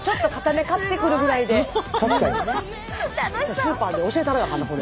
スーパーで教えたらなあかんなこれ。